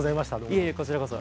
いえいえこちらこそ。